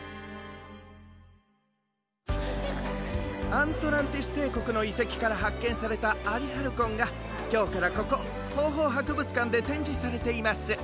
アントランティスていこくのいせきからはっけんされたアリハルコンがきょうからここホーホーはくぶつかんでてんじされています。